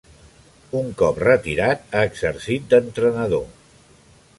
Un cop retirat ha exercit d'entrenador.